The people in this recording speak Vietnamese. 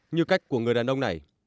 như cách của người đàn ông này